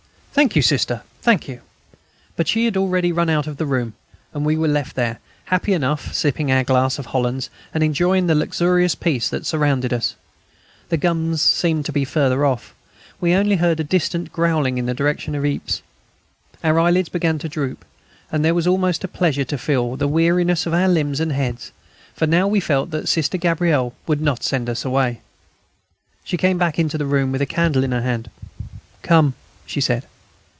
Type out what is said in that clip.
"Thank you. Sister, thank you." But she had already run out of the room, and we were left there, happy enough, sipping our glass of Hollands, and enjoying the luxurious peace that surrounded us. The guns seemed to be further off; we only heard a distant growling in the direction of Yprès. Our eyelids began to droop, and it was almost a pleasure to feel the weariness of our limbs and heads, for now we felt sure that Sister Gabrielle would not send us away. She came back into the room, with a candle in her hand. "Come," she said.